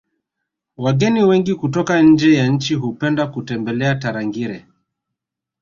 wageni wengi kutoka nje ya nchi hupenda kutembelea tarangire